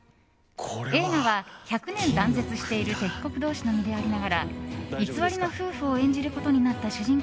映画は、１００年断絶している敵国同士の身でありながら偽りの夫婦を演じることになった主人公